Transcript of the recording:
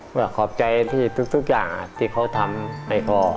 ก็ขอบใจที่ทุกอย่างที่เขาทำให้พ่อ